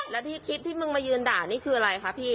แล้วที่คลิปที่มึงมายืนด่านี่คืออะไรคะพี่